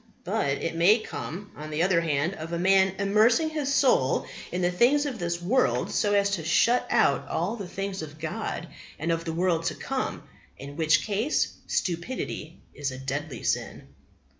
But it may come, on the other hand, of a man immersing his soul in the things of this world so as to shut out all the things of God and of the world to come, in which case stupidity is a deadly sin."